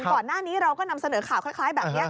ก่อนหน้านี้เราก็นำเสนอข่าวคล้ายแบบนี้